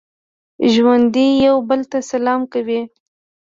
ژوندي یو بل ته سلام کوي